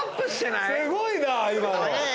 すごいな今の。